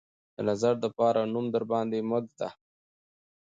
د نظر دپاره نوم درباندې ماه ږدم